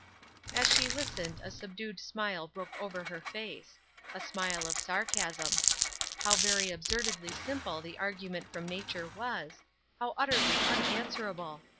As she listened a subdued smile broke over her face a smile of sarcasm. How very absurdly simple the argument from nature was, how utterly unanswerable!